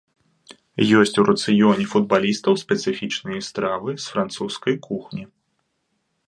Ёсць у рацыёне футбалістаў спецыфічныя стравы з французскай кухні.